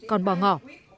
còn bỏ ngỏ